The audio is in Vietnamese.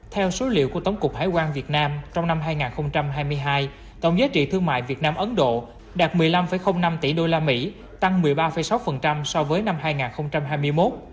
theo số liệu của tổng cục hải quan việt nam trong năm hai nghìn hai mươi hai tổng giá trị thương mại việt nam ấn độ đạt một mươi năm năm tỷ usd tăng một mươi ba sáu so với năm hai nghìn hai mươi một